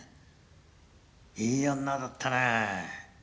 いい女だったね。